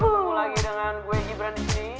ketemu lagi dengan gue gibran disini